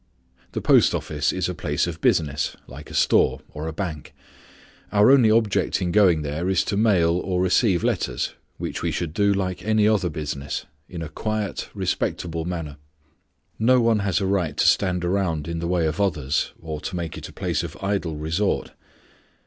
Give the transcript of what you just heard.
The post office is a place of business, like a store or a bank. Our only object in going there is to mail or receive letters, which we should do like any other business, in a quiet, respectable manner. No one has a right to stand around in the way of others, or to make it a place of idle resort.